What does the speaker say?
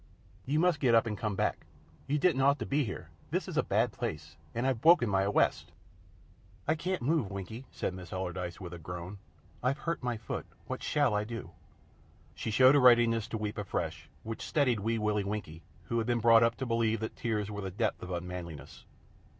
You must get up and come back. You didn't ought to be here. Vis is a bad place, and I've bwoken my awwest." "I can't move, Winkie," said Miss Allardyce, with a groan. "I've hurt my foot. What shall I do?" She showed a readiness to weep afresh, which steadied Wee Willie Winkie, who had been brought up to believe that tears were the depth of unmanliness.